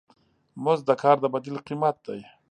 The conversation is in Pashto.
مزد د کار د بدیل قیمت دی.